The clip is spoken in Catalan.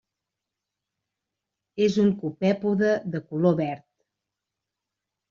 És un copèpode de color verd.